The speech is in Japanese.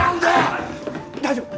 大丈夫！？